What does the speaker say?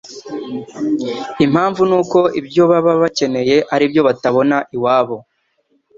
Impamvu ni uko ibyo baba bakeneye ari ibyo batabona iwabo.